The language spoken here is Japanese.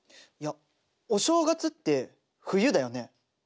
いやお正月って冬だよね。